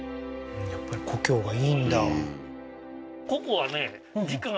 やっぱり故郷がいいんだ